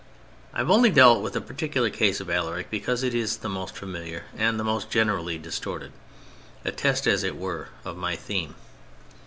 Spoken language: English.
I have only dealt with the particular case of Alaric because it is the most familiar, and the most generally distorted: a test, as it were, of my theme.